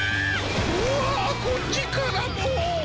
うわこっちからも！